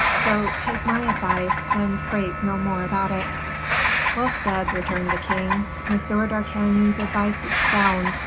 So, take my advice, and prate no more about it." "Well said," returned the king, "M. d'Artagnan's advice is sound.